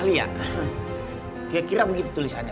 gak gak kira begitu tulisannya